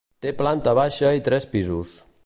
Té planta baixa i tres pisos.